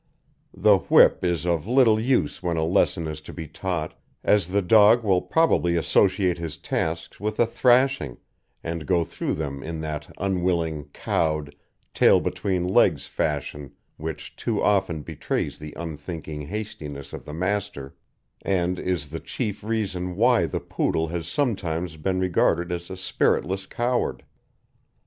The whip is of little use when a lesson is to be taught, as the dog will probably associate his tasks with a thrashing and go through them in that unwilling, cowed, tail between legs fashion which too often betrays the unthinking hastiness of the master, and is the chief reason why the Poodle has sometimes been regarded as a spiritless coward.